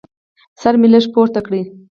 سر مې لږ پورته کړ.